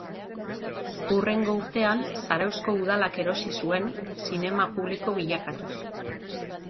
Hurrengo urtean Zarauzko udalak erosi zuen, zinema publiko bilakatuz.